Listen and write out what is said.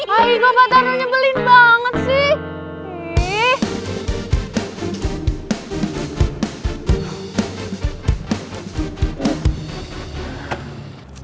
aigo pak tarno nyebelin banget sih